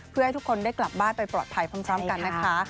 เพื่อให้ทุกคนได้กลับบ้านไปปลอดภัยพร้อมกันนะคะ